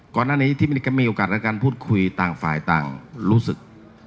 ก่อนหน้านี้ที่มีโอกาสและการพูดคุยต่างฝ่ายต่างรู้สึก